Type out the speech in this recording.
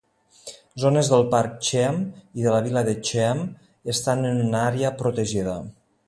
Zones del parc Cheam i de la vila de Cheam estan en una àrea protegida.